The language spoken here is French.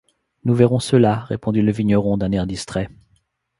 Nous verrons cela, répondit le vigneron d’un air distrait.